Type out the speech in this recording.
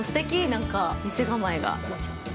なんか店構えが。